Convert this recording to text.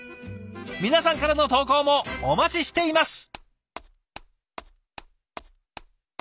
皆さんからの投稿もお待ちしています！